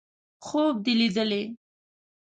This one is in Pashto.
_خوب دې ليدلی!